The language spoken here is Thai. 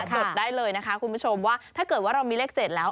จดได้เลยนะคะคุณผู้ชมว่าถ้าเกิดว่าเรามีเลข๗แล้ว